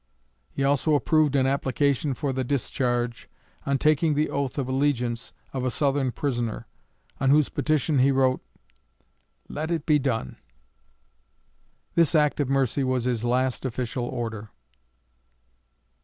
He also approved an application for the discharge, on taking the oath of allegiance, of a Southern prisoner, on whose petition he wrote, "Let it be done." This act of mercy was his last official order.